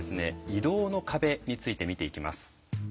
移動の壁について見ていきます。